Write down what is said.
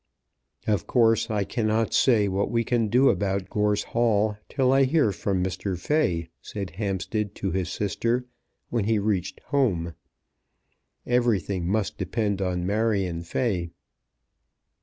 "Of course I cannot say what we can do about Gorse Hall till I hear from Mr. Fay," said Hampstead to his sister when he reached home. "Everything must depend on Marion Fay."